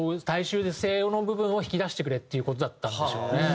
「大衆性の部分を引き出してくれ」っていう事だったんでしょうね。